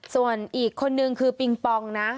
ส่วนอีกคนนึงคือปิงปองนะ